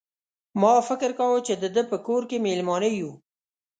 ما فکر کاوه چې د ده په کور کې مېلمانه یو.